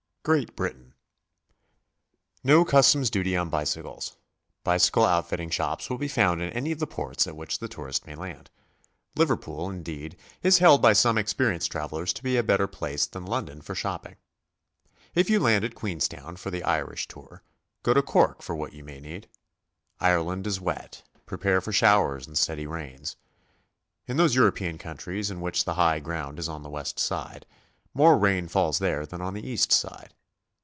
GREAT BRITAIN. No customs duty on bicycles. Bicycle outfitting shops will be found in any of the ports at which the tourist ma}^ land. Liverpool, indeed, is held by some experienced travelers to be a better place than London for shopping. If you land at Queenstown for the Irish tour, go to Cork for what you may need. Ireland is wet; prepare for showers and steady rains. In those European countries in which the high ground is on the west side, more rain falls there than on the east side.